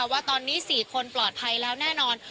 ว่าตอนนี้๔คนปลอดภัยแล้วแน่นอน